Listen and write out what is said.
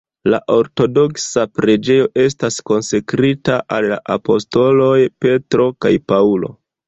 La ortodoksa preĝejo estas konsekrita al la apostoloj Petro kaj Paŭlo.